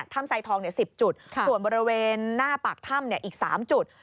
ไซทอง๑๐จุดส่วนบริเวณหน้าปากถ้ำอีก๓จุด